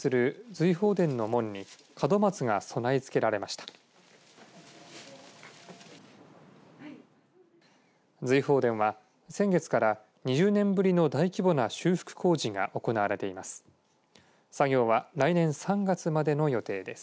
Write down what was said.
瑞鳳殿は、先月から２０年ぶりの大規模な修復工事が行われています。